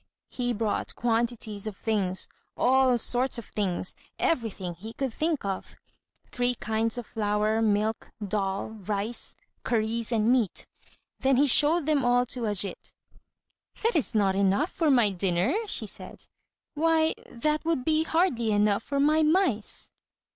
He brought quantities of things all sorts of things everything he could think of. Three kinds of flour, milk, dhall, rice, curries, and meat. Then he showed them all to Ajít. "That is not enough for my dinner," she said. "Why, that would be hardly enough for my mice!"